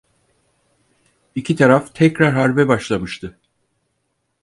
İki taraf tekrar harbe başlamıştı.